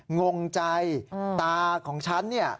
งงใจตาของฉันเนี่ย